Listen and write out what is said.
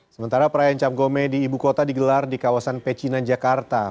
sementara perayaan cap gome di ibu kota digelar di kawasan pecinan jakarta